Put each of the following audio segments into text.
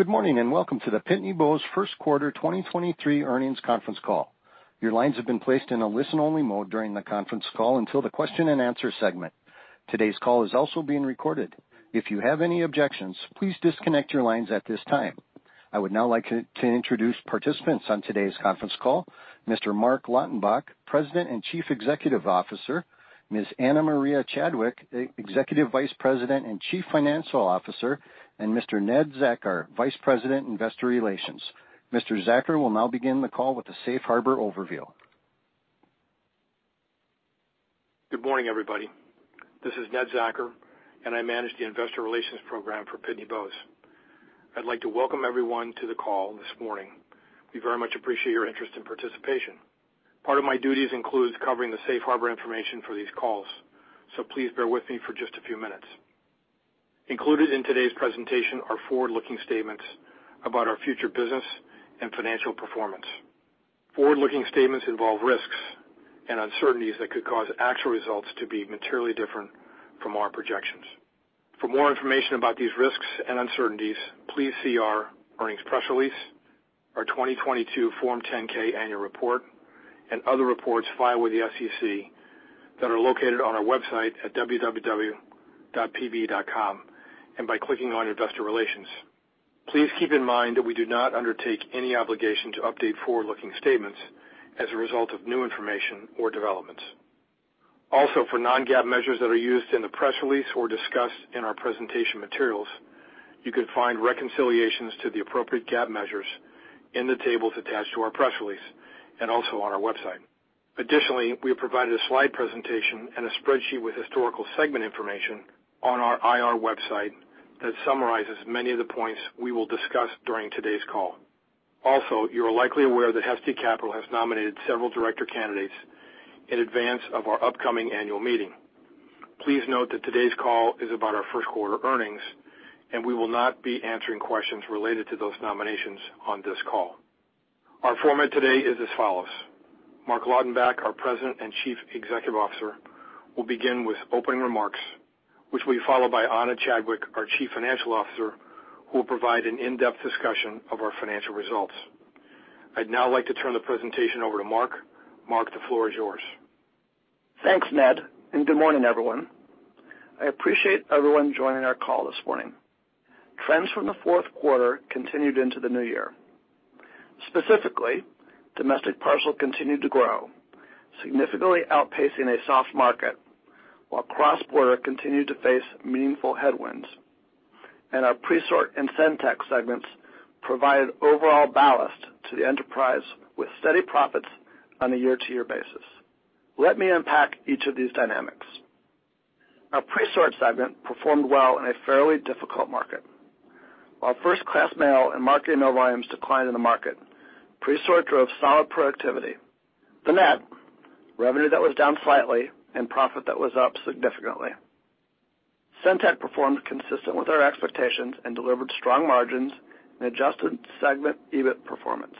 Good morning. Welcome to the Pitney Bowes First Quarter 2023 Earnings Conference Call. Your lines have been placed in a listen-only mode during the conference call until the question-and-answer segment. Today's call is also being recorded. If you have any objections, please disconnect your lines at this time. I would now like to introduce participants on today's conference call, Mr. Marc Lautenbach, President and Chief Executive Officer, Ms. Ana Maria Chadwick, Executive Vice President and Chief Financial Officer, and Mr. Ned Zacker, Vice President, Investor Relations. Mr. Zacker will now begin the call with the safe harbor overview. Good morning, everybody. This is Ned Zacker, and I manage the Investor Relations program for Pitney Bowes. I'd like to welcome everyone to the call this morning. We very much appreciate your interest and participation. Part of my duties includes covering the safe harbor information for these calls, so please bear with me for just a few minutes. Included in today's presentation are forward-looking statements about our future business and financial performance. Forward-looking statements involve risks and uncertainties that could cause actual results to be materially different from our projections. For more information about these risks and uncertainties, please see our earnings press release, our 2022 Form 10-K Annual Report, and other reports filed with the SEC that are located on our website at www.pb.com, and by clicking on Investor Relations. Please keep in mind that we do not undertake any obligation to update forward-looking statements as a result of new information or developments. For non-GAAP measures that are used in the press release or discussed in our presentation materials, you can find reconciliations to the appropriate GAAP measures in the tables attached to our press release and also on our website. Additionally, we have provided a slide presentation and a spreadsheet with historical segment information on our IR website that summarizes many of the points we will discuss during today's call. You are likely aware that Hestia Capital has nominated several director candidates in advance of our upcoming annual meeting. Please note that today's call is about our first quarter earnings, and we will not be answering questions related to those nominations on this call. Our format today is as follows: Marc Lautenbach, our President and Chief Executive Officer, will begin with opening remarks, which will be followed by Ana Chadwick, our Chief Financial Officer, who will provide an in-depth discussion of our financial results. I'd now like to turn the presentation over to Marc. Marc, the floor is yours. Thanks, Ned. Good morning, everyone. I appreciate everyone joining our call this morning. Trends from the fourth quarter continued into the new year. Specifically, domestic parcel continued to grow, significantly outpacing a soft market, while cross-border continued to face meaningful headwinds. Our Presort and SendTech segments provided overall ballast to the enterprise with steady profits on a year-over-year basis. Let me unpack each of these dynamics. Our Presort segment performed well in a fairly difficult market. While first-class mail and marketing mail volumes declined in the market, Presort drove solid productivity. The net, revenue that was down slightly and profit that was up significantly. SendTech performed consistent with our expectations and delivered strong margins and Adjusted Segment EBIT performance.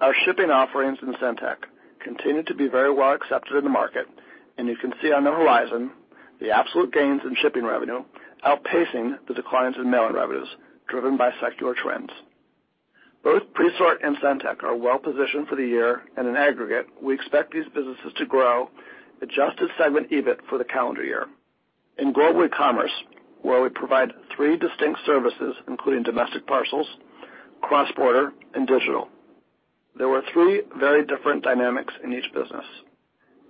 Our shipping offerings in SendTech continued to be very well accepted in the market, and you can see on the horizon the absolute gains in shipping revenue outpacing the declines in mailing revenues driven by secular trends. Both Presort and SendTech are well positioned for the year, and in aggregate, we expect these businesses to grow Adjusted Segment EBIT for the calendar year. In Global Ecommerce, where we provide three distinct services, including domestic parcels, cross-border, and digital, there were three very different dynamics in each business.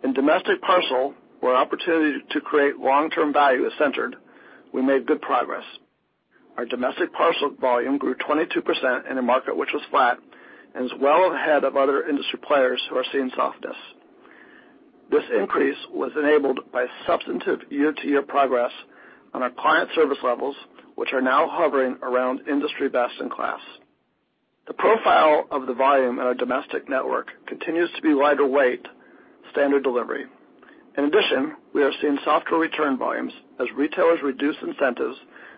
In domestic parcel, where opportunity to create long-term value is centered, we made good progress. Our domestic parcel volume grew 22% in a market which was flat and is well ahead of other industry players who are seeing softness. This increase was enabled by substantive year-to-year progress on our client service levels, which are now hovering around industry best in class. The profile of the volume in our domestic network continues to be lighter weight standard delivery. We are seeing softer return volumes as retailers reduce incentives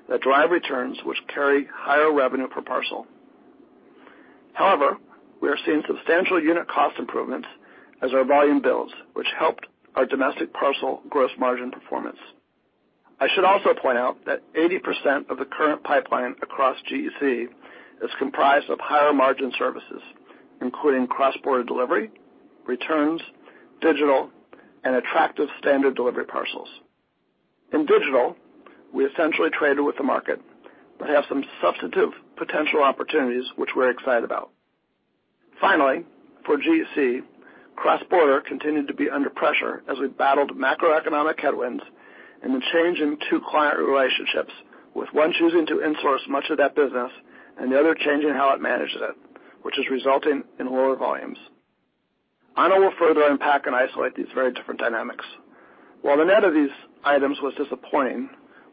that drive returns which carry higher revenue per parcel. We are seeing substantial unit cost improvements as our volume builds, which helped our domestic parcel gross margin performance. I should also point out that 80% of the current pipeline across GEC is comprised of higher margin services, including cross-border delivery, returns, digital, and attractive standard delivery parcels. In digital, we essentially traded with the market, but have some substantive potential opportunities which we're excited about. For GEC, cross-border continued to be under pressure as we battled macroeconomic headwinds and the change in two client relationships, with one choosing to insource much of that business and the other changing how it manages it, which is resulting in lower volumes. Ana will further unpack and isolate these very different dynamics. While the net of these items was disappointing,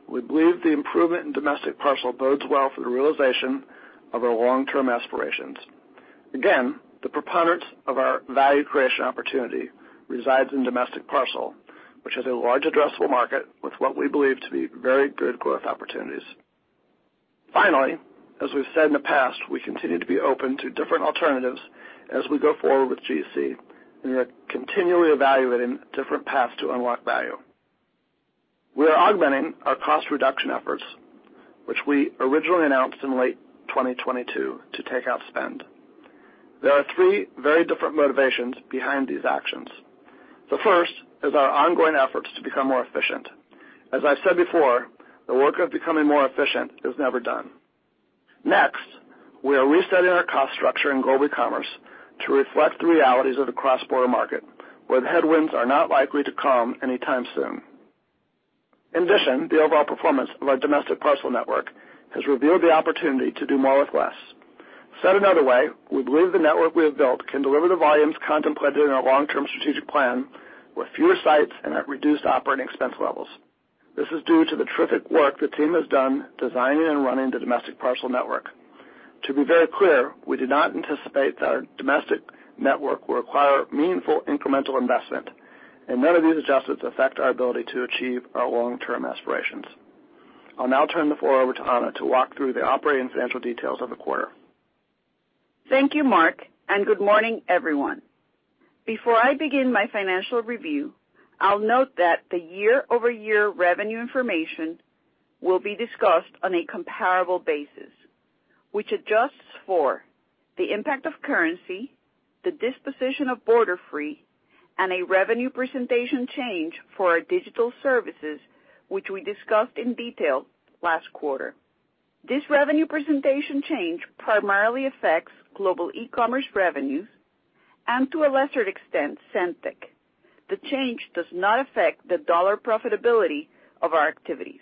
we believe the improvement in domestic parcel bodes well for the realization of our long-term aspirations. The preponderance of our value creation opportunity resides in domestic parcel, which has a large addressable market with what we believe to be very good growth opportunities. As we've said in the past, we continue to be open to different alternatives as we go forward with GEC, and we are continually evaluating different paths to unlock value. We are augmenting our cost reduction efforts, which we originally announced in late 2022 to take out spend. There are three very different motivations behind these actions. The first is our ongoing efforts to become more efficient. As I've said before, the work of becoming more efficient is never done. Next, we are resetting our cost structure in Global Ecommerce to reflect the realities of the cross-border market, where the headwinds are not likely to come anytime soon. In addition, the overall performance of our domestic parcel network has revealed the opportunity to do more with less. Said another way, we believe the network we have built can deliver the volumes contemplated in our long-term strategic plan with fewer sites and at reduced operating expense levels. This is due to the terrific work the team has done designing and running the domestic parcel network. To be very clear, we do not anticipate that our domestic network will require meaningful incremental investment, and none of these adjustments affect our ability to achieve our long-term aspirations. I'll now turn the floor over to Ana to walk through the operating and financial details of the quarter. Thank you, Marc, and good morning, everyone. Before I begin my financial review, I'll note that the year-over-year revenue information will be discussed on a comparable basis, which adjusts for the impact of currency, the disposition of Borderfree, and a revenue presentation change for our digital services, which we discussed in detail last quarter. This revenue presentation change primarily affects Global Ecommerce revenues and to a lesser extent, SendTech. The change does not affect the dollar profitability of our activities.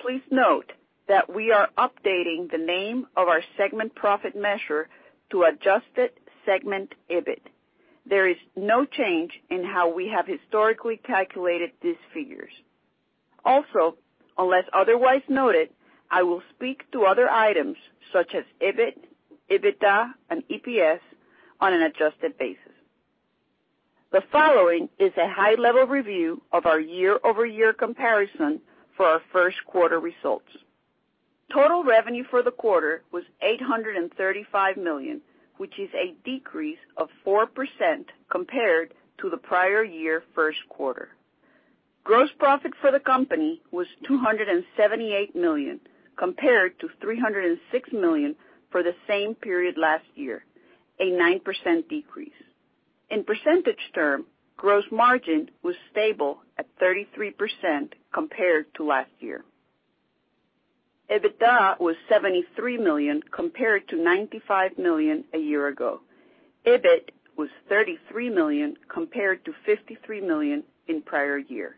Please note that we are updating the name of our segment profit measure to Adjusted Segment EBIT. There is no change in how we have historically calculated these figures. Unless otherwise noted, I will speak to other items such as EBIT, EBITDA, and EPS on an adjusted basis. The following is a high-level review of our year-over-year comparison for our first quarter results. Total revenue for the quarter was $835 million, which is a decrease of 4% compared to the prior year first quarter. Gross profit for the company was $278 million, compared to $306 million for the same period last year, a 9% decrease. In percentage term, gross margin was stable at 33% compared to last year. EBITDA was $73 million, compared to $95 million a year ago. EBIT was $33 million, compared to $53 million in prior year.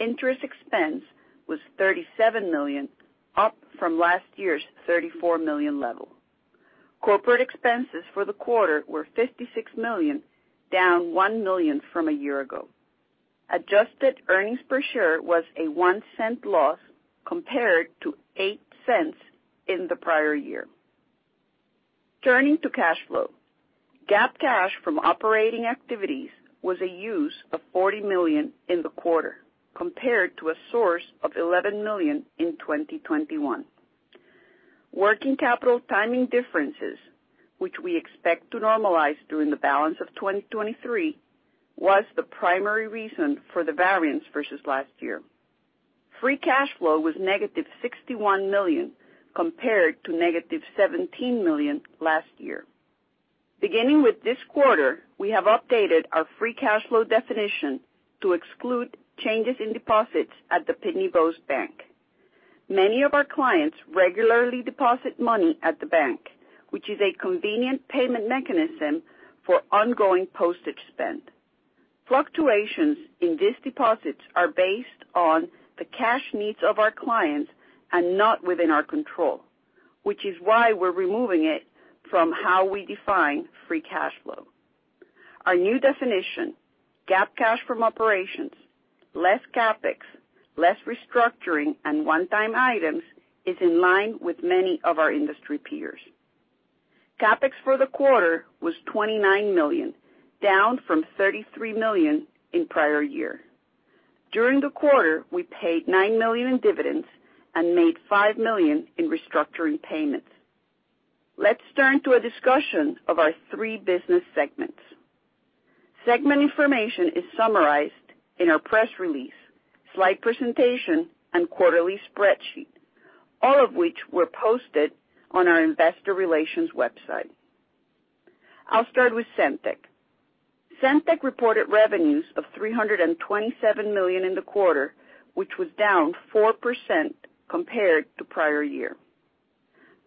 Interest expense was $37 million, up from last year's $34 million level. Corporate expenses for the quarter were $56 million, down $1 million from a year ago. Adjusted earnings per share was a $0.01 loss, compared to $0.08 in the prior year. Turning to cash flow. GAAP cash from operating activities was a use of $40 million in the quarter, compared to a source of $11 million in 2021. Working capital timing differences, which we expect to normalize during the balance of 2023, was the primary reason for the variance versus last year. Free cash flow was negative $61 million, compared to negative $17 million last year. Beginning with this quarter, we have updated our free cash flow definition to exclude changes in deposits at The Pitney Bowes Bank. Many of our clients regularly deposit money at the bank, which is a convenient payment mechanism for ongoing postage spend. Fluctuations in these deposits are based on the cash needs of our clients and not within our control, which is why we're removing it from how we define free cash flow. Our new definition, GAAP cash from operations, less CapEx, less restructuring, and one-time items, is in line with many of our industry peers. CapEx for the quarter was $29 million, down from $33 million in prior year. During the quarter, we paid $9 million in dividends and made $5 million in restructuring payments. Let's turn to a discussion of our three business segments. Segment information is summarized in our press release, slide presentation, and quarterly spreadsheet, all of which were posted on our Investor Relations website. I'll start with SendTech. SendTech reported revenues of $327 million in the quarter, which was down 4% compared to prior year.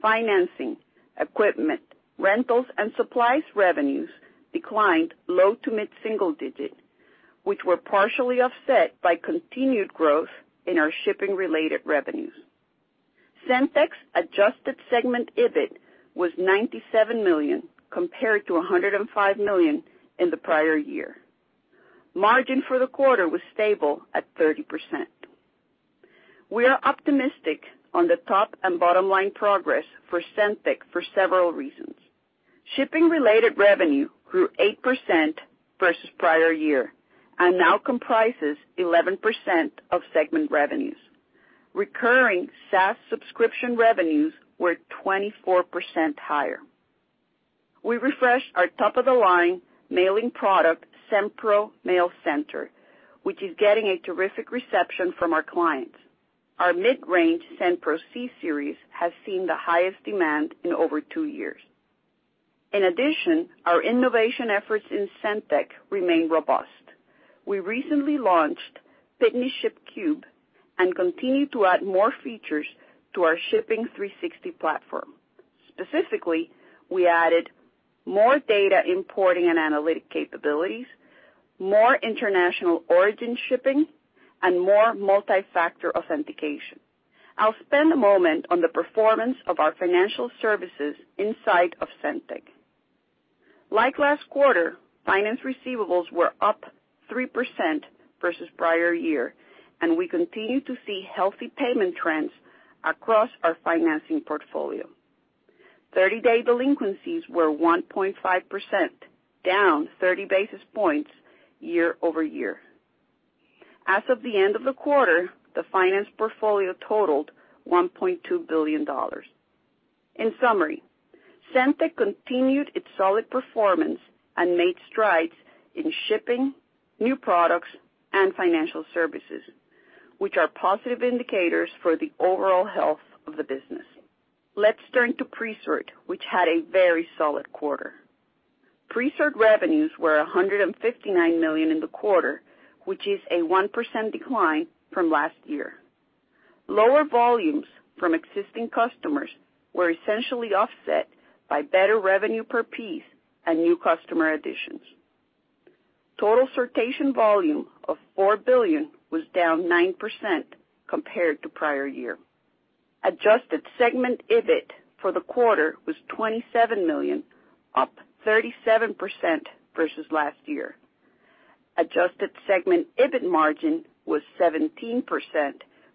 Financing, equipment, rentals, and supplies revenues declined low to mid-single digit, which were partially offset by continued growth in our shipping-related revenues. SendTech's Adjusted Segment EBIT was $97 million, compared to $105 million in the prior year. Margin for the quarter was stable at 30%. We are optimistic on the top and bottom-line progress for SendTech for several reasons. Shipping-related revenue grew 8% versus prior year and now comprises 11% of segment revenues. Recurring SaaS subscription revenues were 24% higher. We refreshed our top-of-the-line mailing product, SendPro MailCenter, which is getting a terrific reception from our clients. Our mid-range SendPro C Series has seen the highest demand in over two years. Our innovation efforts in SendTech remain robust. We recently launched PitneyShip Cube and continue to add more features to our Shipping 360 platform. Specifically, we added more data importing and analytic capabilities, more international origin shipping, and more multi-factor authentication. I'll spend a moment on the performance of our financial services inside of SendTech. Like last quarter, finance receivables were up 3% versus prior year. We continue to see healthy payment trends across our financing portfolio. 30-day delinquencies were 1.5%, down 30 basis points year-over-year. As of the end of the quarter, the finance portfolio totaled $1.2 billion. In summary, SendTech continued its solid performance and made strides in shipping, new products, and financial services, which are positive indicators for the overall health of the business. Let's turn to Presort, which had a very solid quarter. Presort revenues were $159 million in the quarter, which is a 1% decline from last year. Lower volumes from existing customers were essentially offset by better revenue per piece and new customer additions. Total sortation volume of 4 billion was down 9% compared to prior year. Adjusted Segment EBIT for the quarter was $27 million, up 37% versus last year. Adjusted Segment EBIT margin was 17%,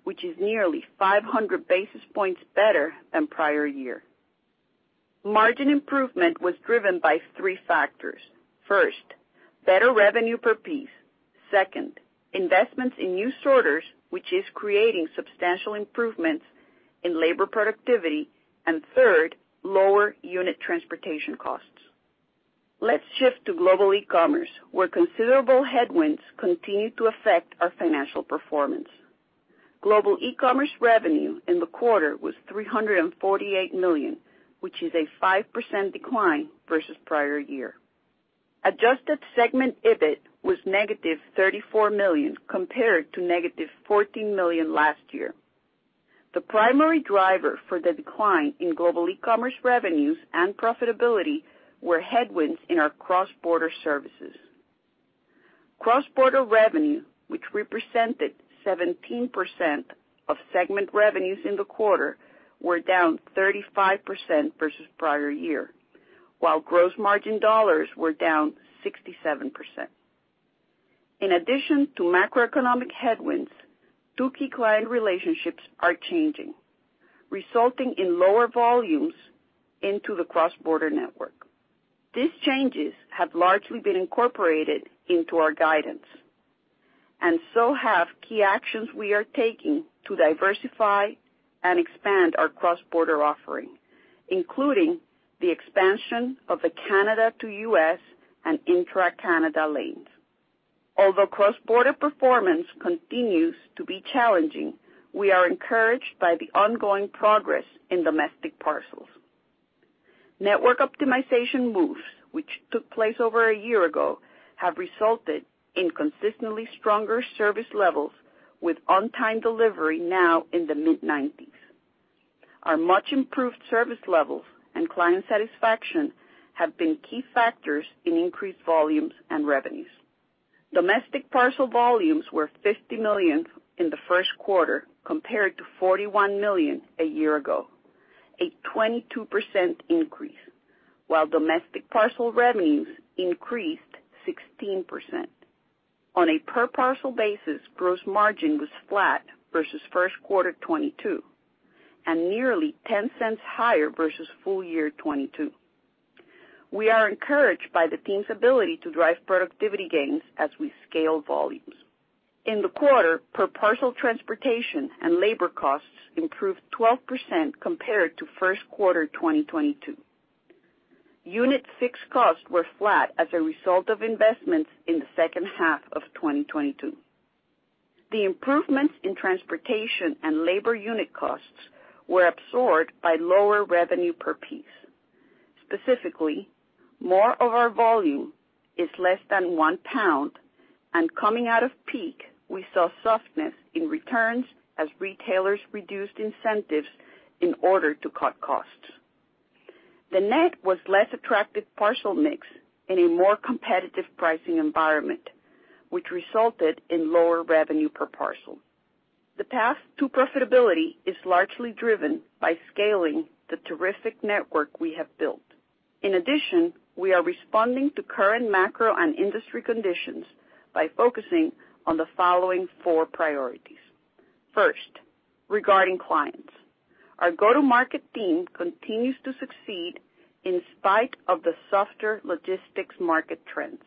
which is nearly 500 basis points better than prior year. Margin improvement was driven by three factors. First, better revenue per piece. Second, investments in new sorters, which is creating substantial improvements in labor productivity. Third, lower unit transportation costs. Let's shift to Global Ecommerce, where considerable headwinds continue to affect our financial performance. Global Ecommerce revenue in the quarter was $348 million, which is a 5% decline versus prior year. Adjusted Segment EBIT was negative $34 million compared to negative $14 million last year. The primary driver for the decline in Global Ecommerce revenues and profitability were headwinds in our cross-border services. Cross-border revenue, which represented 17% of segment revenues in the quarter, were down 35% versus prior year, while gross margin dollars were down 67%. In addition to macroeconomic headwinds, two key client relationships are changing, resulting in lower volumes into the cross-border network. These changes have largely been incorporated into our guidance, and so have key actions we are taking to diversify and expand our cross-border offering, including the expansion of the Canada to US and intra-Canada lanes. Although cross-border performance continues to be challenging, we are encouraged by the ongoing progress in domestic parcels. Network optimization moves, which took place over a year ago, have resulted in consistently stronger service levels with on-time delivery now in the mid-90s. Our much-improved service levels and client satisfaction have been key factors in increased volumes and revenues. Domestic parcel volumes were 50 million in the first quarter compared to 41 million a year ago, a 22% increase, while domestic parcel revenues increased 16%. On a per parcel basis, gross margin was flat versus first quarter 2022, and nearly $0.10 higher versus full year 2022. We are encouraged by the team's ability to drive productivity gains as we scale volumes. In the quarter, per parcel transportation and labor costs improved 12% compared to first quarter 2022. Unit fixed costs were flat as a result of investments in the second half of 2022. The improvements in transportation and labor unit costs were absorbed by lower revenue per piece. Specifically, more of our volume is less than one pound, and coming out of peak, we saw softness in returns as retailers reduced incentives in order to cut costs. The net was less attractive parcel mix in a more competitive pricing environment, which resulted in lower revenue per parcel. The path to profitability is largely driven by scaling the terrific network we have built. We are responding to current macro and industry conditions by focusing on the following four priorities. First, regarding clients. Our go-to-market team continues to succeed in spite of the softer logistics market trends.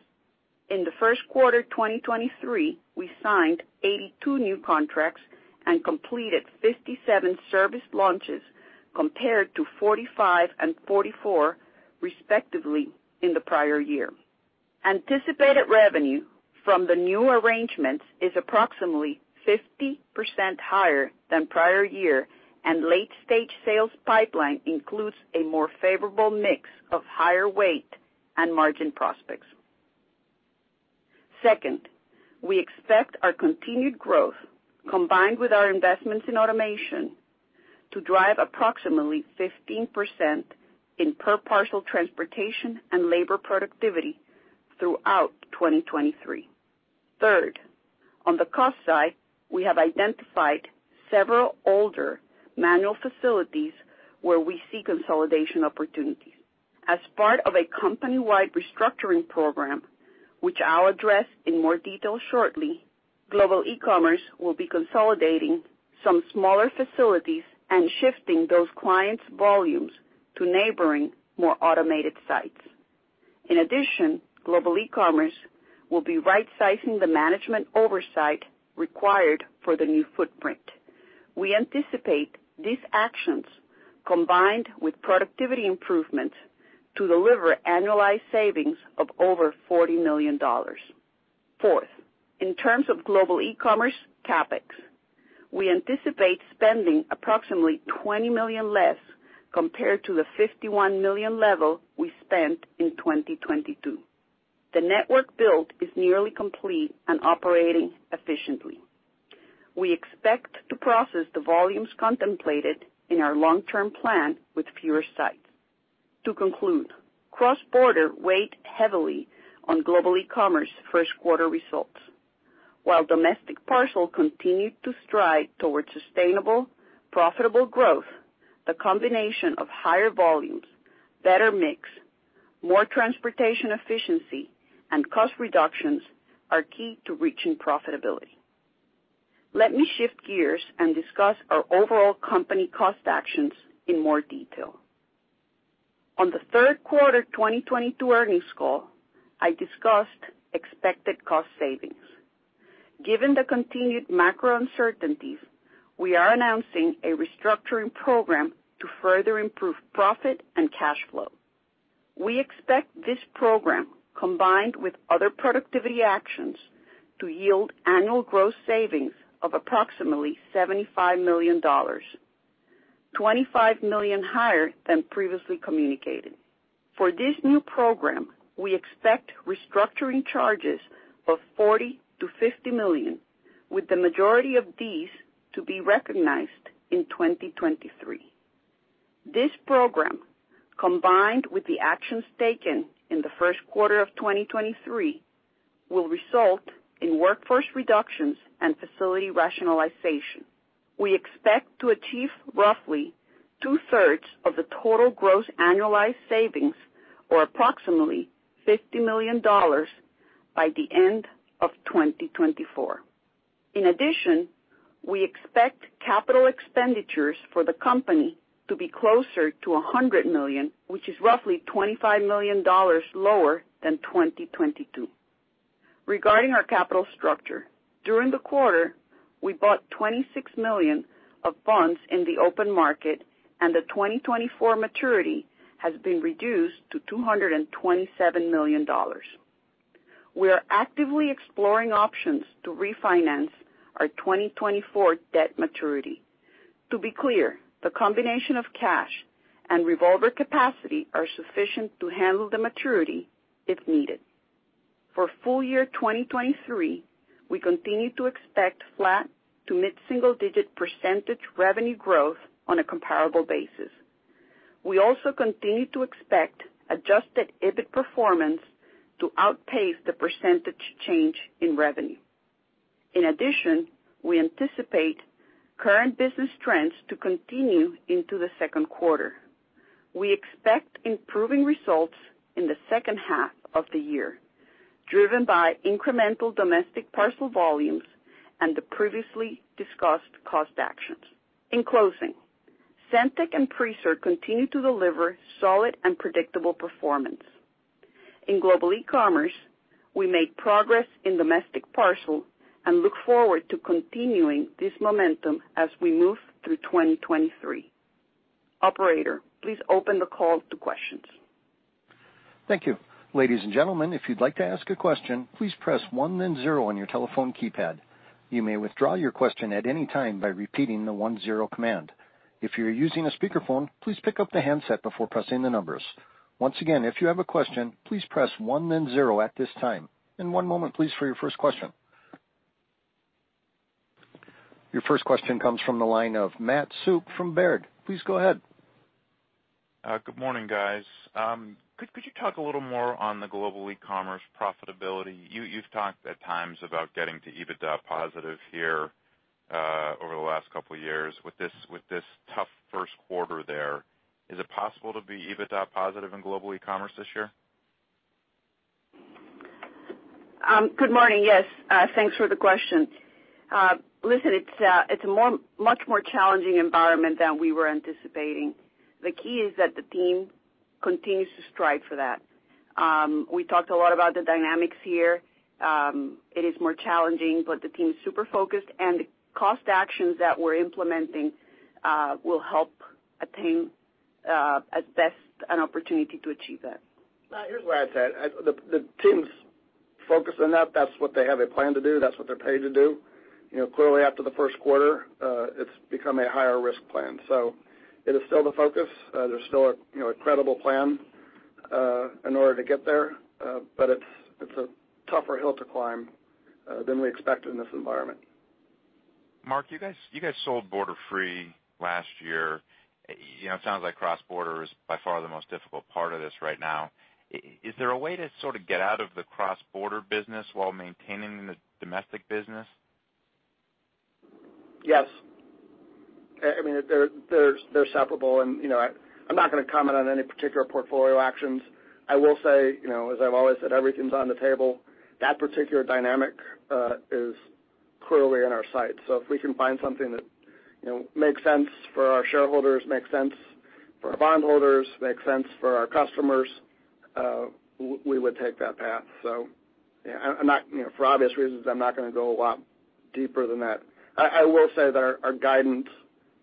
In the first quarter 2023, we signed 82 new contracts and completed 57 service launches compared to 45 and 44 respectively in the prior year. Anticipated revenue from the new arrangements is approximately 50% higher than prior year, and late stage sales pipeline includes a more favorable mix of higher weight and margin prospects. Second, we expect our continued growth, combined with our investments in automation, to drive approximately 15% in per parcel transportation and labor productivity throughout 2023. Third, on the cost side, we have identified several older manual facilities where we see consolidation opportunities. As part of a company-wide restructuring program, which I'll address in more detail shortly, Global Ecommerce will be consolidating some smaller facilities and shifting those clients' volumes to neighboring, more automated sites. In addition, Global Ecommerce will be rightsizing the management oversight required for the new footprint. We anticipate these actions, combined with productivity improvements, to deliver annualized savings of over $40 million. Fourth, in terms of Global Ecommerce CapEx, we anticipate spending approximately $20 million less compared to the $51 million level we spent in 2022. The network build is nearly complete and operating efficiently. We expect to process the volumes contemplated in our long-term plan with fewer sites. To conclude, cross-border weighed heavily on Global Ecommerce first quarter results. While domestic parcel continued to stride towards sustainable, profitable growth, the combination of higher volumes, better mix, more transportation efficiency, and cost reductions are key to reaching profitability. Let me shift gears and discuss our overall company cost actions in more detail. On the third quarter 2022 earnings call, I discussed expected cost savings. Given the continued macro uncertainties, we are announcing a restructuring program to further improve profit and cash flow. We expect this program, combined with other productivity actions, to yield annual gross savings of approximately $75 million, $25 million higher than previously communicated. For this new program, we expect restructuring charges of $40 million-$50 million, with the majority of these to be recognized in 2023. This program, combined with the actions taken in the first quarter of 2023, will result in workforce reductions and facility rationalization. We expect to achieve roughly 2/3 of the total gross annualized savings, or approximately $50 million, by the end of 2024. We expect capital expenditures for the company to be closer to $100 million, which is roughly $25 million lower than 2022. During the quarter, we bought $26 million of bonds in the open market, and the 2024 maturity has been reduced to $227 million. We are actively exploring options to refinance our 2024 debt maturity. To be clear, the combination of cash and revolver capacity are sufficient to handle the maturity if needed. For full year 2023, we continue to expect flat to mid-single digit % revenue growth on a comparable basis. We also continue to expect Adjusted EBIT performance to outpace the % change in revenue. In addition, we anticipate current business trends to continue into the second quarter. We expect improving results in the second half of the year, driven by incremental domestic parcel volumes and the previously discussed cost actions. In closing, SendTech and Presort continue to deliver solid and predictable performance. In Global Ecommerce, we made progress in domestic parcel and look forward to continuing this momentum as we move through 2023. Operator, please open the call to questions. Thank you. Ladies and gentlemen, if you'd like to ask a question, please press one then zero on your telephone keypad. You may withdraw your question at any time by repeating the one-zero command. If you're using a speakerphone, please pick up the handset before pressing the numbers. Once again, if you have a question, please press one then zero at this time. One moment, please, for your first question. Your first question comes from the line of Matt Fahey from Baird. Please go ahead. Good morning, guys. Could you talk a little more on the Global Ecommerce profitability? You've talked at times about getting to EBITDA positive here, over the last couple of years. With this tough first quarter there, is it possible to be EBITDA positive in Global Ecommerce this year? Good morning. Yes, thanks for the question. Listen, it's a much more challenging environment than we were anticipating. The key is that the team continues to strive for that. We talked a lot about the dynamics here. It is more challenging, but the team is super focused, and the cost actions that we're implementing, will help attain, at best, an opportunity to achieve that. Here's what I'd say. The team's focused on that. That's what they have a plan to do. That's what they're paid to do. You know, clearly, after the first quarter, it's become a higher-risk plan. It is still the focus. There's still a, you know, a credible plan in order to get there. It's a tougher hill to climb than we expected in this environment. Mark, you guys sold Borderfree last year. You know, it sounds like cross-border is by far the most difficult part of this right now. Is there a way to sort of get out of the cross-border business while maintaining the domestic business? Yes. I mean, they're separable and, you know, I'm not gonna comment on any particular portfolio actions. I will say, you know, as I've always said, everything's on the table. That particular dynamic is clearly in our sight. If we can find something that, you know, makes sense for our shareholders, makes sense for our bondholders, makes sense for our customers, we would take that path. I'm not, you know, for obvious reasons, I'm not gonna go a lot deeper than that. I will say that our guidance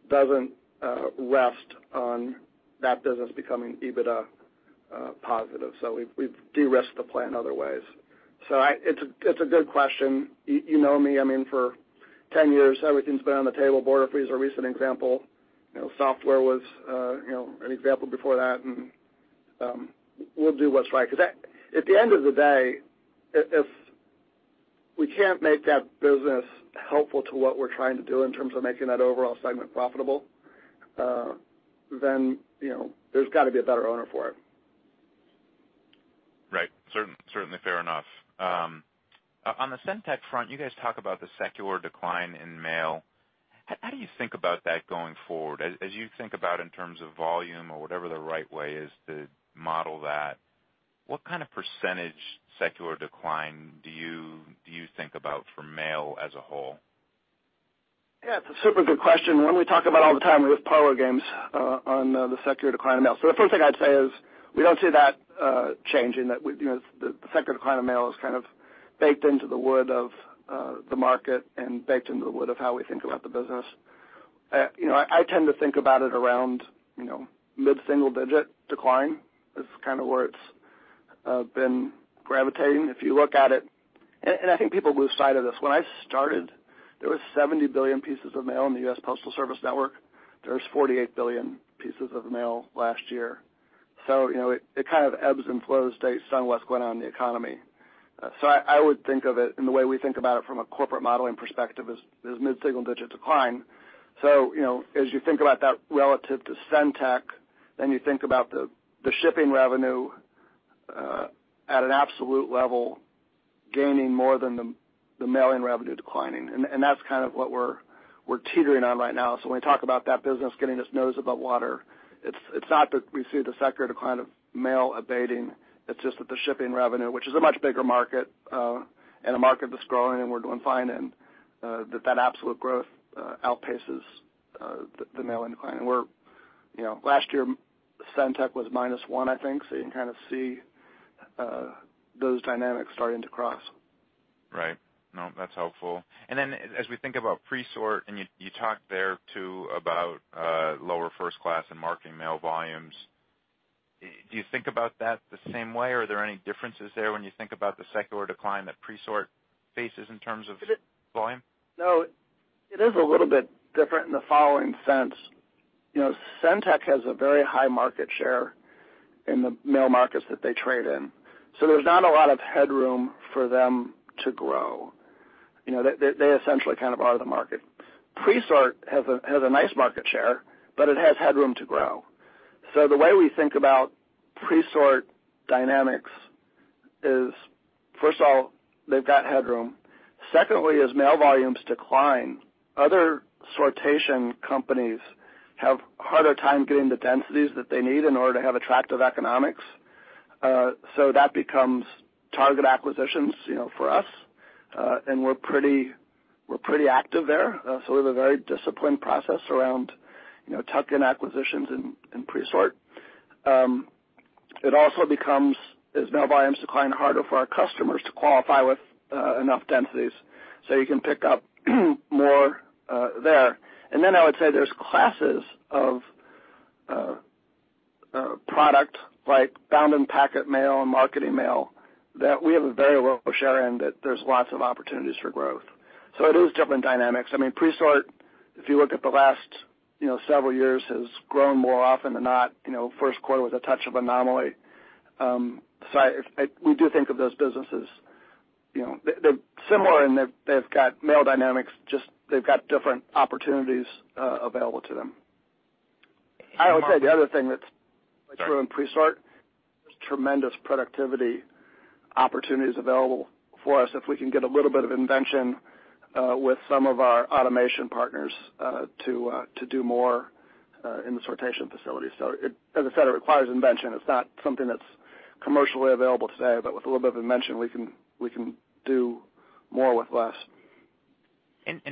doesn't rest on that business becoming EBITDA positive. We've de-risked the plan other ways. It's a, it's a good question. You, you know me, I mean, for 10 years, everything's been on the table. Borderfree is a recent example. You know, software was, you know, an example before that. We'll do what's right. 'Cause at the end of the day, if we can't make that business helpful to what we're trying to do in terms of making that overall segment profitable, then, you know, there's got to be a better owner for it. Right. Certainly fair enough. On the SendTech front, you guys talk about the secular decline in mail. How do you think about that going forward? As you think about in terms of volume or whatever the right way is to model that, what kind of % secular decline do you think about for mail as a whole? Yeah, it's a super good question. When we talk about all the time, we play parlor games on the secular decline of mail. The first thing I'd say is we don't see that changing. That we, you know, the secular decline of mail is kind of baked into the wood of the market and baked into the wood of how we think about the business. You know, I tend to think about it around, you know, mid-single-digit decline. That's kind of where it's been gravitating. If you look at it, and I think people lose sight of this. When I started, there was 70 billion pieces of mail in the United States Postal Service network. There was 48 billion pieces of mail last year. You know, it kind of ebbs and flows based on what's going on in the economy. I would think of it, the way we think about it from a corporate modeling perspective is mid-single-digit decline. You know, as you think about that relative to SendTech, you think about the shipping revenue at an absolute level, gaining more than the mailing revenue declining. That's kind of what we're teetering on right now. When we talk about that business getting its nose above water, it's not that we see the secular decline of mail abating. It's just that the shipping revenue, which is a much bigger market, and a market that's growing and we're doing fine in, that absolute growth outpaces the mail decline. We're, you know, last year, SendTech was -1, I think. You can kind of see those dynamics starting to cross. Right. No, that's helpful. As we think about Presort, and you talked there, too, about lower first-class and marketing mail volumes. Do you think about that the same way, or are there any differences there when you think about the secular decline that Presort faces in terms of volume? It is a little bit different in the following sense. You know, SendTech has a very high market share in the mail markets that they trade in, so there's not a lot of headroom for them to grow. You know, they essentially kind of are the market. Presort has a nice market share, but it has headroom to grow. The way we think about Presort dynamics is, first of all, they've got headroom. Secondly, as mail volumes decline, other sortation companies have harder time getting the densities that they need in order to have attractive economics. That becomes target acquisitions, you know, for us. And we're pretty, we're pretty active there. We have a very disciplined process around, you know, tuck-in acquisitions in Presort. It also becomes, as mail volumes decline, harder for our customers to qualify with enough densities, so you can pick up more there. I would say there's classes of product like bound and packet mail and marketing mail that we have a very low share in that there's lots of opportunities for growth. It is different dynamics. I mean, Presort, if you look at the last, you know, several years, has grown more often than not. You know, first quarter was a touch of anomaly. We do think of those businesses, you know, they're similar in that they've got mail dynamics, just they've got different opportunities available to them. I would say the other thing that's true in Presort, there's tremendous productivity opportunities available for us if we can get a little bit of invention, with some of our automation partners, to do more in the sortation facility. It, as I said, it requires invention. It's not something that's commercially available today, but with a little bit of invention, we can do more with less.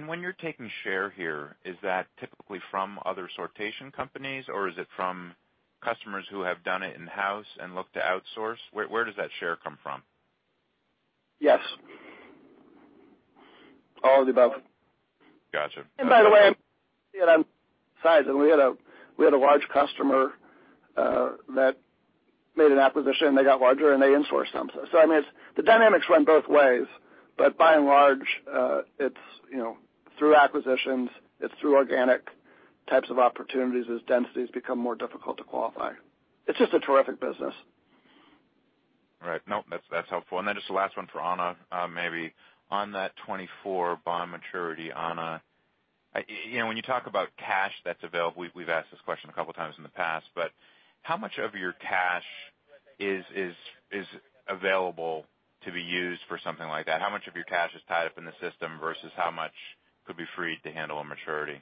When you're taking share here, is that typically from other sortation companies or is it from customers who have done it in-house and look to outsource? Where does that share come from? Yes. All of the above. Gotcha. By the way, you know, size, and we had a large customer that made an acquisition. They got larger, and they insourced some. I mean, it's the dynamics run both ways. By and large, it's, you know, through acquisitions, it's through organic types of opportunities as densities become more difficult to qualify. It's just a terrific business. All right. No, that's helpful. Just the last one for Ana, maybe. On that 24 bond maturity, Ana, you know, when you talk about cash that's available, we've asked this question a couple of times in the past, but how much of your cash is available to be used for something like that? How much of your cash is tied up in the system versus how much could be freed to handle a maturity?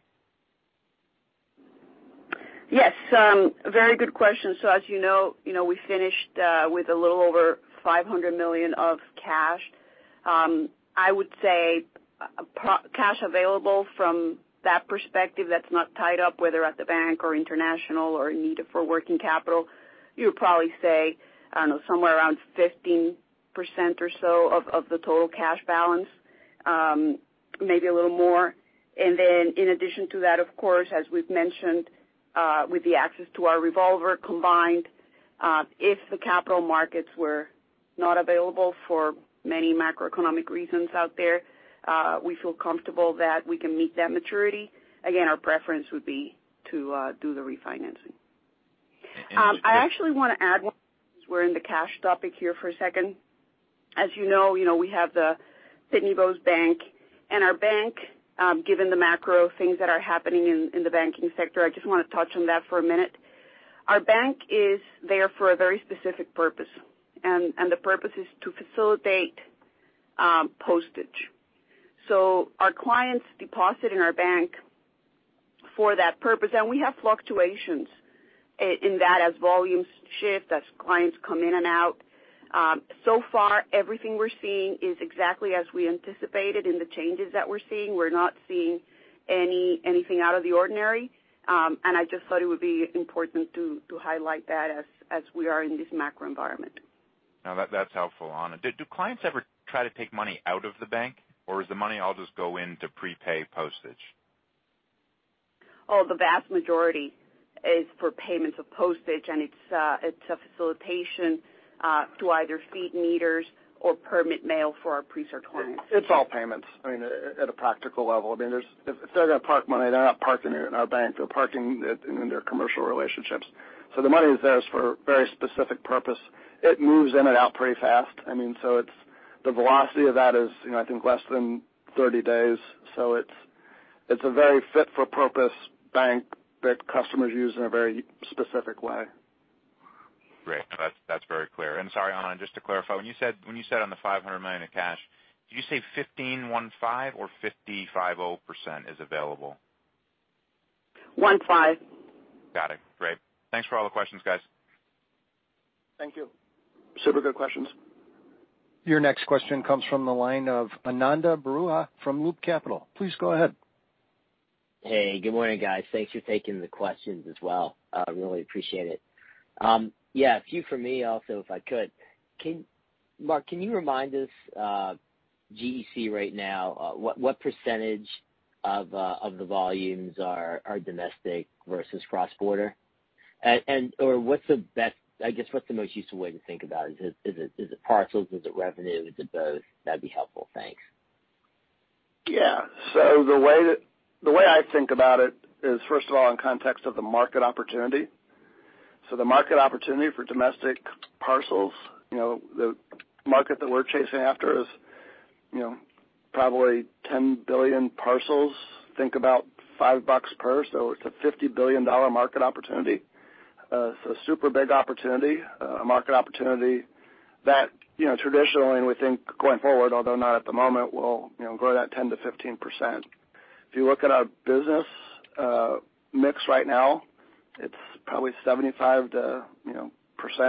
Yes, very good question. As you know, you know, we finished with a little over $500 million of cash. I would say cash available from that perspective that's not tied up, whether at the bank or international or needed for working capital, you would probably say, I don't know, somewhere around 15% or so of the total cash balance, maybe a little more. In addition to that, of course, as we've mentioned, with the access to our revolver combined, if the capital markets were not available for many macroeconomic reasons out there, we feel comfortable that we can meet that maturity. Again, our preference would be to do the refinancing. I actually wanna add since we're in the cash topic here for a second. As you know, you know, we have the Pitney Bowes Bank. Our bank, given the macro things that are happening in the banking sector, I just wanna touch on that for a minute. Our bank is there for a very specific purpose, and the purpose is to facilitate postage. Our clients deposit in our bank for that purpose, and we have fluctuations in that as volumes shift, as clients come in and out. So far, everything we're seeing is exactly as we anticipated in the changes that we're seeing. We're not seeing anything out of the ordinary. I just thought it would be important to highlight that as we are in this macro environment. No, that's helpful, Ana. Do clients ever try to take money out of the bank or does the money all just go in to prepay postage? The vast majority is for payments of postage, and it's a facilitation, to either feed meters or permit mail for our Presort clients. It's all payments, I mean, at a practical level. I mean, if they're gonna park money, they're not parking it in our bank. They're parking it in their commercial relationships. The money is theirs for a very specific purpose. It moves in and out pretty fast. I mean, the velocity of that is, you know, I think less than 30 days. It's a very fit for purpose bank that customers use in a very specific way. Great. That's very clear. Sorry, Ana, just to clarify, when you said on the $500 million of cash, did you say 15 one five or 55.0% is available? 1 5. Got it. Great. Thanks for all the questions, guys. Thank you. Super good questions. Your next question comes from the line of Ananda Baruah from Loop Capital. Please go ahead. Hey, good morning, guys. Thanks for taking the questions as well. Really appreciate it. Yeah, a few for me also, if I could. Mark, can you remind us, GEC right now, what % of the volumes are domestic versus cross-border? Or what's the best, I guess, what's the most useful way to think about it? Is it parcels? Is it revenue? Is it both? That'd be helpful. Thanks. Yeah. The way I think about it is, first of all, in context of the market opportunity. The market opportunity for domestic parcels, you know, the market that we're chasing after is, you know, probably 10 billion parcels. Think about $5 per. It's a $50 billion market opportunity. It's a super big opportunity, a market opportunity that, you know, traditionally, and we think going forward, although not at the moment, will, you know, grow that 10%-15%. If you look at our business, mix right now, it's probably 75% to, you know,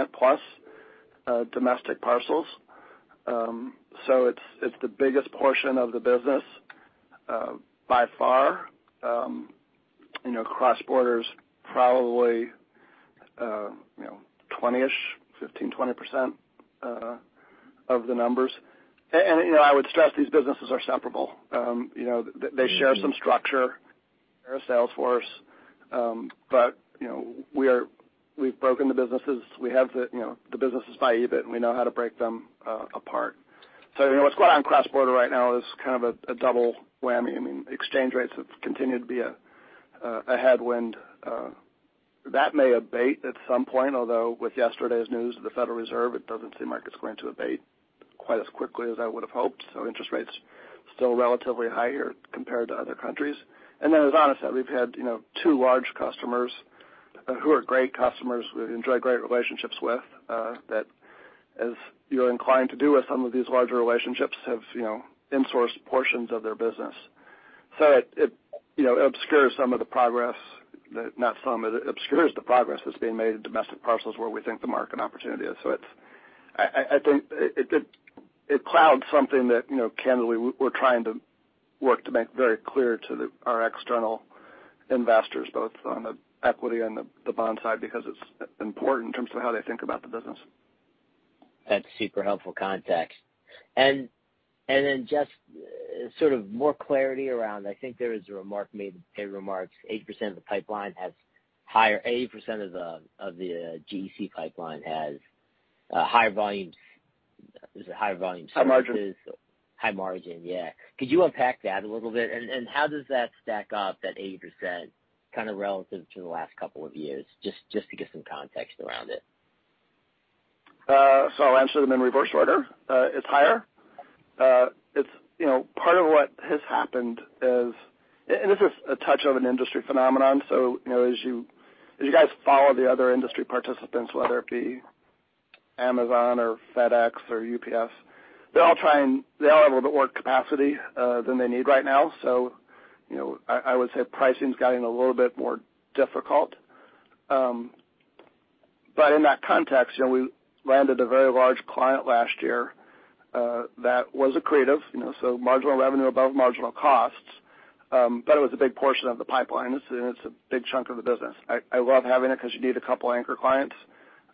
% plus, domestic parcels. It's, it's the biggest portion of the business, by far. You know, cross-border is probably, you know, 20-ish, 15%-20%, of the numbers. You know, I would stress these businesses are separable. You know, they share some structure. They're a sales force. You know, we've broken the businesses. We have the business by EBIT, and we know how to break them apart. You know, what's going on cross-border right now is kind of a double whammy. I mean, exchange rates have continued to be a headwind. That may abate at some point, although with yesterday's news of the Federal Reserve, it doesn't seem like it's going to abate quite as quickly as I would've hoped. Interest rates still relatively high here compared to other countries. As Ana said, we've had, you know, two large customers, who are great customers, we enjoy great relationships with, that as you're inclined to do with some of these larger relationships, have, you know, insourced portions of their business. It, you know, obscures some of the progress that, not some, it obscures the progress that's being made in domestic parcels where we think the market opportunity is. I think it clouds something that, you know, candidly we're trying to work to make very clear to our external investors, both on the equity and the bond side, because it's important in terms of how they think about the business. That's super helpful context. Then just sort of more clarity around, I think there is a remark made, 80% of the GEC pipeline has higher volume, is it higher volume services? High margin. High margin, yeah. Could you unpack that a little bit? How does that stack up, that 80% kind of relative to the last couple of years? Just to get some context around it. I'll answer them in reverse order. It's higher. It's, you know, part of what has happened is. This is a touch of an industry phenomenon. You know, as you, as you guys follow the other industry participants, whether it be Amazon or FedEx or UPS, they all have a little bit more capacity than they need right now. You know, I would say pricing's gotten a little bit more difficult. In that context, you know, we landed a very large client last year that was accretive, you know, so marginal revenue above marginal costs, but it was a big portion of the pipeline. It's, and it's a big chunk of the business. I love having it because you need a couple anchor clients,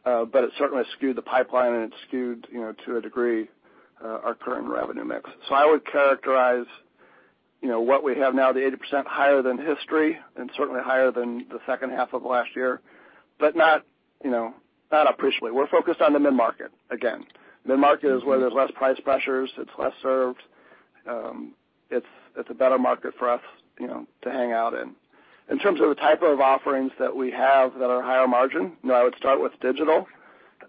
it certainly skewed the pipeline and it skewed, you know, to a degree, our current revenue mix. I would characterize, you know, what we have now, the 80% higher than history, and certainly higher than the second half of last year, but not, you know, not appreciably. We're focused on the mid-market, again. Mid-market is where there's less price pressures, it's less served. It's, it's a better market for us, you know, to hang out in. In terms of the type of offerings that we have that are higher margin, you know, I would start with digital.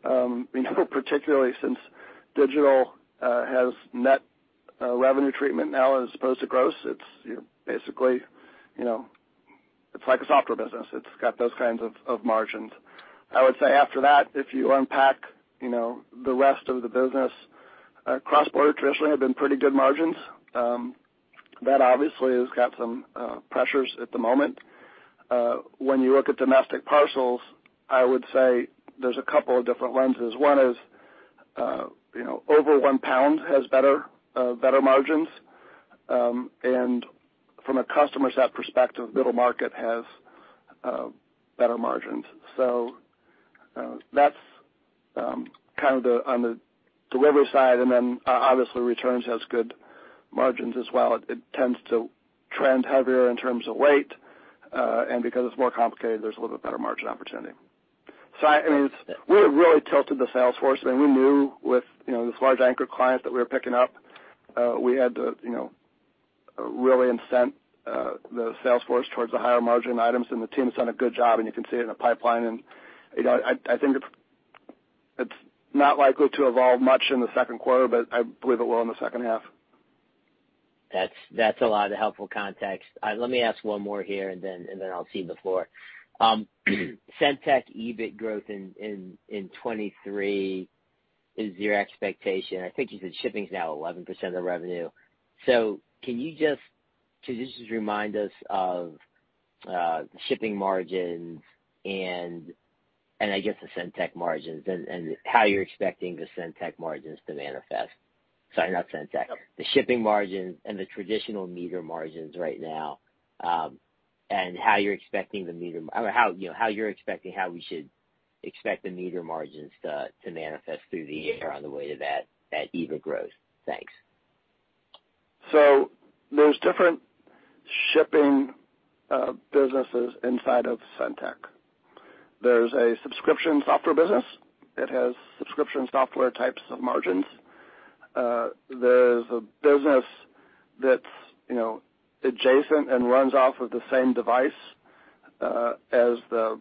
You know, particularly since digital has net revenue treatment now as opposed to gross, it's, you know, basically, you know, it's like a software business. It's got those kinds of margins. I would say after that, if you unpack, you know, the rest of the business, cross-border traditionally have been pretty good margins. That obviously has got some pressures at the moment. When you look at domestic parcels, I would say there's a couple of different lenses. One is, you know, over one pound has better margins. From a customer set perspective, middle market has better margins. That's kind of the, on the delivery side, and then obviously returns has good margins as well. It tends to trend heavier in terms of weight, and because it's more complicated, there's a little bit better margin opportunity. I mean, we really tilted the sales force. I mean, we knew with, you know, this large anchor client that we were picking up, we had to, you know, really incent, the sales force towards the higher margin items. The team's done a good job and you can see it in the pipeline. You know, I think it's not likely to evolve much in the second quarter, but I believe it will in the second half. That's a lot of helpful context. Let me ask one more here and then I'll cede the floor. SendTech EBIT growth in 2023 is your expectation. I think you said shipping is now 11% of revenue. Can you just remind us of the shipping margins and I guess the SendTech margins and how you're expecting the SendTech margins to manifest? Sorry, not SendTech. The shipping margins and the traditional meter margins right now, and how you're expecting, you know, how you're expecting how we should expect the meter margins to manifest through the year on the way to that EBIT growth. Thanks. There's different shipping businesses inside of SendTech. There's a subscription software business. It has subscription software types of margins. There's a business that's, you know, adjacent and runs off of the same device as the,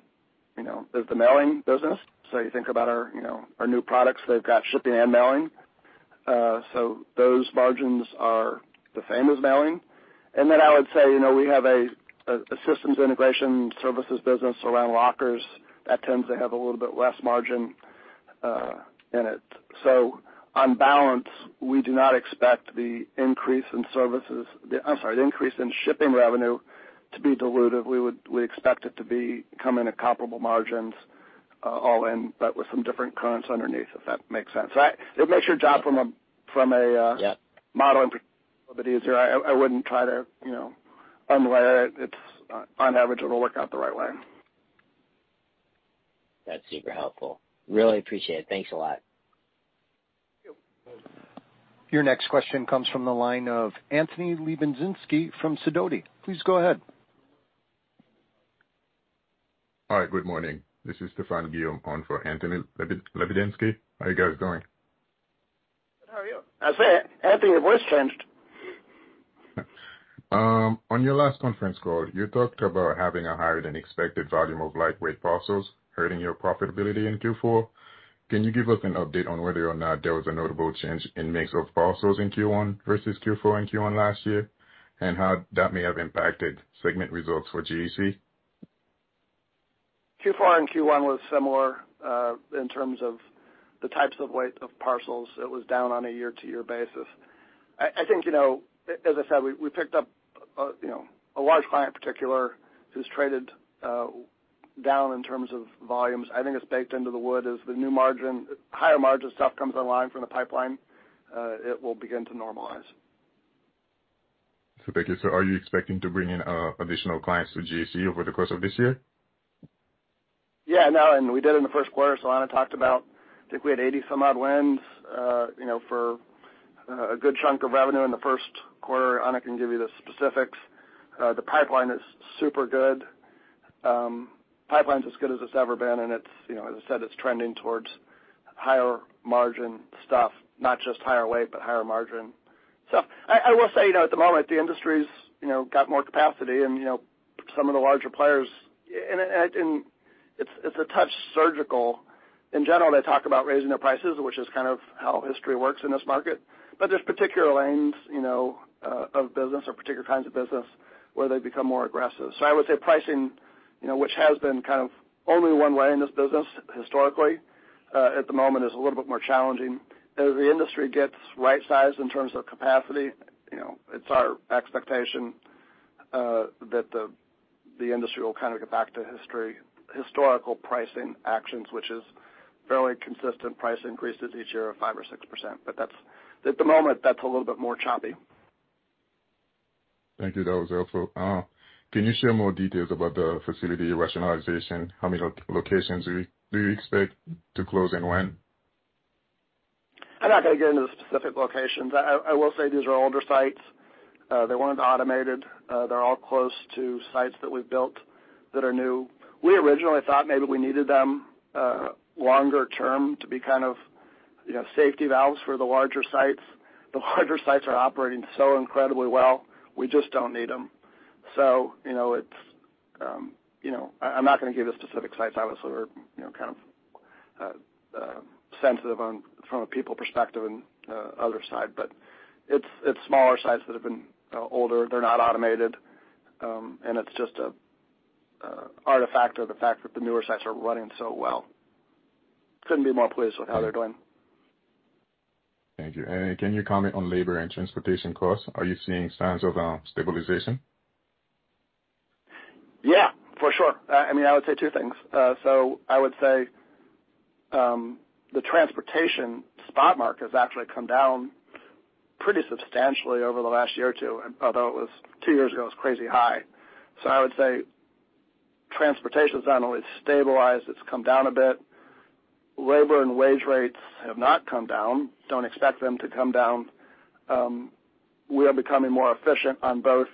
you know, as the mailing business. You think about our, you know, our new products, they've got shipping and mailing. Those margins are the same as mailing. Then I would say, you know, we have a systems integration services business around lockers that tends to have a little bit less margin in it. On balance, we do not expect the increase in services, I'm sorry, the increase in shipping revenue to be dilutive. We expect it to be coming at comparable margins, all in, but with some different currents underneath, if that makes sense. It makes your job from a... Yeah. modeling a little bit easier. I wouldn't try to, you know, unlayer it. It's on average, it'll work out the right way. That's super helpful. Really appreciate it. Thanks a lot. Yep. Your next question comes from the line of Anthony Lebiedzinski from Sidoti. Please go ahead. All right. Good morning. This is Stefan Guillaume on for Anthony Lebiedzinski. How you guys doing? Good. How are you? I say, Anthony, your voice changed. On your last conference call, you talked about having a higher than expected volume of lightweight parcels hurting your profitability in Q4. Can you give us an update on whether or not there was a notable change in mix of parcels in Q1 versus Q4 and Q1 last year, and how that may have impacted segment results for GEC? Q4 and Q1 was similar, in terms of the types of weight of parcels. It was down on a year-to-year basis. I think, you know, as I said, we picked up, you know, a large client particular who's traded down in terms of volumes. I think it's baked into the wood. As the new higher margin stuff comes online from the pipeline, it will begin to normalize. Thank you. Are you expecting to bring in additional clients to GEC over the course of this year? Yeah. No, and we did in the first quarter. Ana talked about, I think we had 80 some odd wins, you know, for a good chunk of revenue in the first quarter. Ana can give you the specifics. The pipeline is super good. Pipeline's as good as it's ever been, and it's, you know, as I said, it's trending towards higher margin stuff, not just higher weight, but higher margin stuff. I will say, you know, at the moment the industry's, you know, got more capacity and, you know, some of the larger players... It's a touch surgical. In general, they talk about raising their prices, which is kind of how history works in this market. There's particular lanes, you know, of business or particular kinds of business where they become more aggressive. I would say pricing, you know, which has been kind of only 1 way in this business historically, at the moment is a little bit more challenging. As the industry gets right-sized in terms of capacity, you know, it's our expectation, that the industry will kind of get back to historical pricing actions, which is fairly consistent price increases each year of 5% or 6%. That's, at the moment, that's a little bit more choppy. Thank you. That was helpful. Can you share more details about the facility rationalization? How many locations do you expect to close and when? I'm not gonna get into the specific locations. I will say these are older sites. They weren't automated. They're all close to sites that we've built that are new. We originally thought maybe we needed them, longer term to be kind of, you know, safety valves for the larger sites. The larger sites are operating so incredibly well, we just don't need them. You know, it's, you know... I'm not gonna give the specific sites obviously we're, you know, kind of, sensitive on from a people perspective and, other side, but it's smaller sites that have been, older. They're not automated, and it's just a artifact or the fact that the newer sites are running so well. Couldn't be more pleased with how they're doing. Thank you. Can you comment on labor and transportation costs? Are you seeing signs of stabilization? Yeah, for sure. I mean, I would say two things. I would say the transportation spot market has actually come down pretty substantially over the last year or two, although it was two years ago, it was crazy high. I would say transportation has not only stabilized, it's come down a bit. Labor and wage rates have not come down. Don't expect them to come down. We are becoming more efficient on both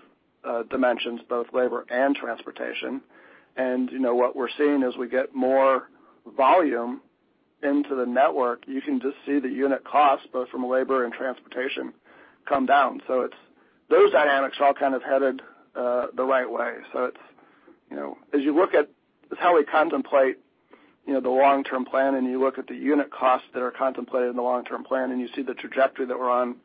dimensions, both labor and transportation. You know, what we're seeing as we get more volume into the network, you can just see the unit costs, both from labor and transportation, come down. It's those dynamics are all kind of headed the right way. It's, you know, as you look at how we contemplate, you know, the long-term plan and you look at the unit costs that are contemplated in the long-term plan and you see the trajectory that we're on,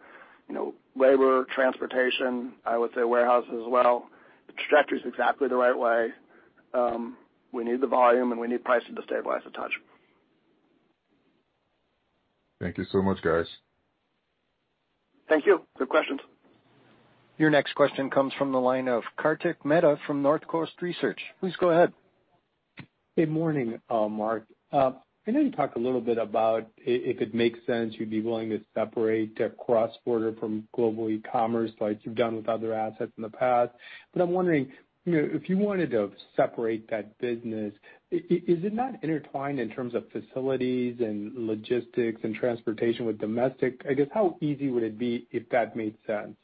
you know, labor, transportation, I would say warehouse as well, the trajectory is exactly the right way. We need the volume, and we need pricing to stabilize a touch. Thank you so much, guys. Thank you. Good questions. Your next question comes from the line of Kartik Mehta from Northcoast Research. Please go ahead. Good morning, Mark. I know you talked a little bit about if it makes sense you'd be willing to separate, cross-border from Global Ecommerce like you've done with other assets in the past. I'm wondering, you know, if you wanted to separate that business, is it not intertwined in terms of facilities and logistics and transportation with domestic? I guess how easy would it be if that made sense?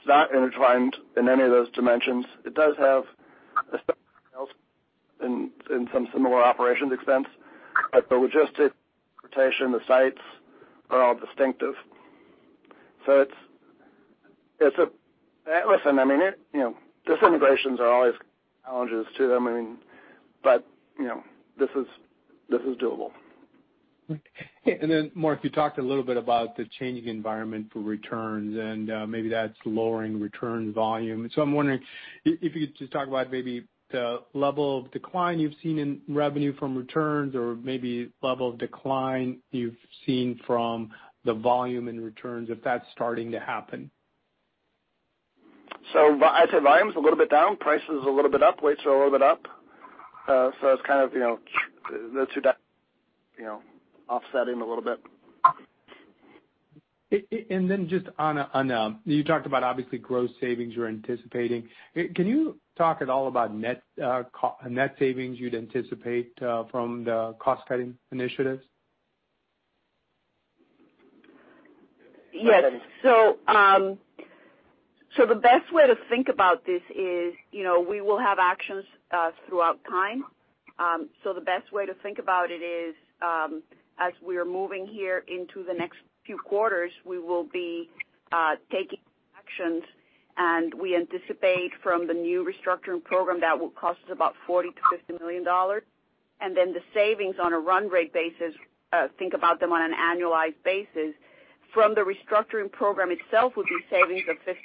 It's not intertwined in any of those dimensions. It does have a sales and some similar operations expense. The logistic rotation, the sites are all distinctive. It's a, listen, I mean, you know, disintegrations are always challenges to them but, you know, this is doable. Mark, you talked a little bit about the changing environment for returns and maybe that's lowering return volume. I'm wondering if you could just talk about maybe the level of decline you've seen in revenue from returns or maybe level of decline you've seen from the volume in returns, if that's starting to happen? I'd say volume's a little bit down, price is a little bit up, weights are a little bit up. It's kind of, you know, the two down, you know, offsetting a little bit. Just on, you talked about obviously gross savings you're anticipating. Can you talk at all about net savings you'd anticipate from the cost-cutting initiatives? Yes. So, the best way to think about this is, you know, we will have actions throughout time. The best way to think about it is, as we are moving here into the next few quarters, we will be taking actions and we anticipate from the new restructuring program that will cost us about $40 million-$50 million. The savings on a run rate basis, think about them on an annualized basis from the restructuring program itself would be savings of fifty-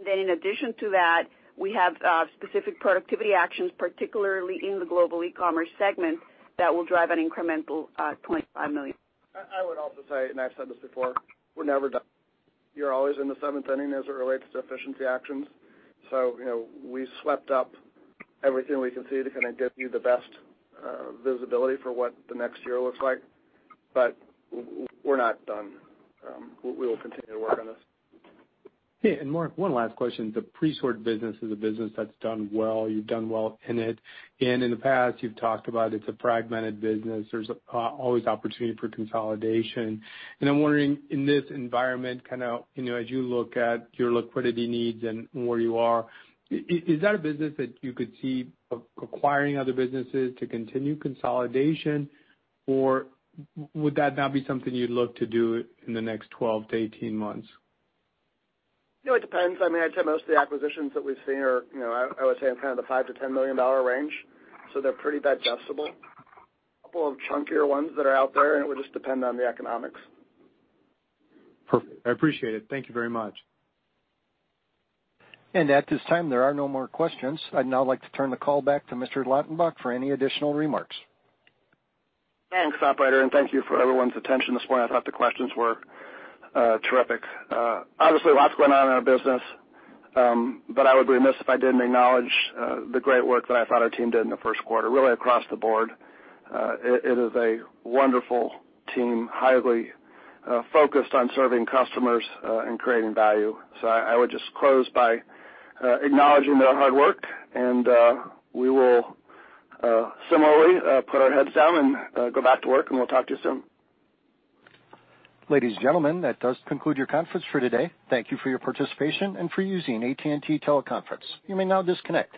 In addition to that, we have specific productivity actions, particularly in the Global Ecommerce segment, that will drive an incremental $25 million. I would also say, I've said this before, we're never done. You're always in the seventh inning as it relates to efficiency actions. You know, we swept up everything we can see to kinda give you the best visibility for what the next year looks like. We're not done. We will continue to work on this. Okay. Mark, 1 last question. The Presort business is a business that's done well. You've done well in it. In the past, you've talked about it's a fragmented business. There's always opportunity for consolidation. I'm wondering, in this environment, kinda, you know, as you look at your liquidity needs and where you are, is that a business that you could see acquiring other businesses to continue consolidation? Or would that not be something you'd look to do in the next 12-18 months? You know, it depends. I mean, I'd say most of the acquisitions that we've seen are, you know, I would say in kind of the $5 million-$10 million range, so they're pretty digestible. A couple of chunkier ones that are out there. It would just depend on the economics. Perfect. I appreciate it. Thank you very much. At this time, there are no more questions. I'd now like to turn the call back to Mr. Lautenbach for any additional remarks. Thanks, operator. Thank you for everyone's attention this morning. I thought the questions were terrific. Obviously, lots going on in our business. I would remiss if I didn't acknowledge the great work that I thought our team did in the first quarter, really across the board. It is a wonderful team, highly focused on serving customers and creating value. I would just close by acknowledging their hard work. We will, similarly, put our heads down and go back to work, and we'll talk to you soon. Ladies and gentlemen, that does conclude your conference for today. Thank you for your participation and for using AT&T Teleconference. You may now disconnect.